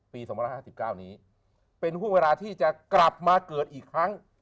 ปี๒๕๙นี้เป็นห่วงเวลาที่จะกลับมาเกิดอีกครั้ง